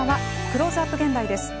「クローズアップ現代」です。